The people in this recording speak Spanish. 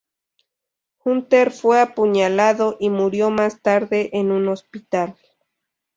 Hunter fue apuñalado y murió más tarde en un hospital.